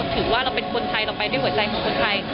ถือว่าเราเป็นคนไทยเราไปด้วยหัวใจของคนไทย